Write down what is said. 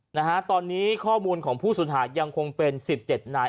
นะฮะตอนนี้ข้อมูลของผู้สูญหายยังคงเป็นสิบเจ็ดนาย